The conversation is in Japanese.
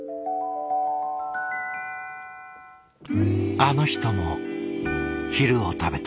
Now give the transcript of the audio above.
あの人も昼を食べた。